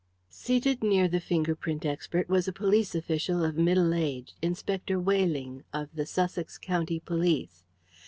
Seated near the finger print expert was a police official of middle age, Inspector Weyling, of the Sussex County Police.